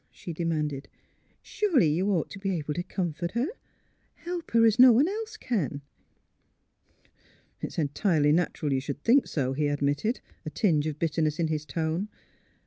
" she demanded. '' Surely you ought to be able to com fort her — help her as no one else can." '' It's entirely natural you should think so," he admitted, a tinge of bitterness in his tone.